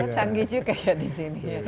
canggih juga ya di sini